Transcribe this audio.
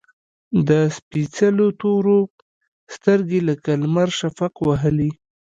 د سپیڅلو تورو، سترګې لکه لمر شفق وهلي